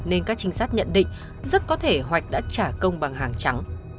nên các chính sách nhận định rất có thể hoạch đã trả công bằng hàng trắng